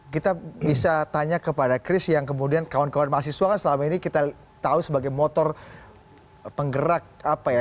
kita bisa tanya kepada chris yang kemudian kawan kawan mahasiswa kan selama ini kita tahu sebagai motor penggerak apa ya